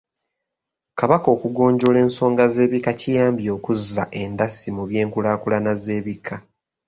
Kabaka okugonjoola ensonga z'ebika kiyambye okuzza endasi mu by’enkulaakulana z’ebika.